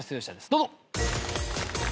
どうぞ。